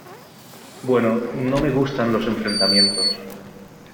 Bueno... No me gustan los enfrentamientos .